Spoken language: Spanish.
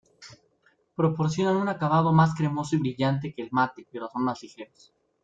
Proporcionan un acabado más cremoso y brillante que el mate pero son más ligeros.